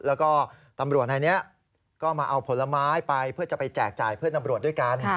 แล้วก็ตำรวจนายนี้ก็มาเอาผลไม้ไปเพื่อจะไปแจกจ่ายเพื่อนตำรวจด้วยกัน